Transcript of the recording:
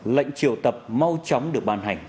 lệnh triệu tập mau chóng được bàn hành